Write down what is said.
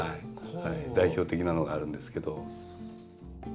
代表的なのがあるんですけど。